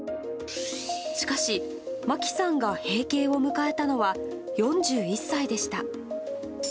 しかし、まきさんが閉経を迎えたのは、４１歳でした。